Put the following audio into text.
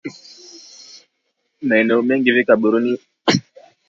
Maeneo mengi hivi karibuni yamekumbwa na uhaba wa petroli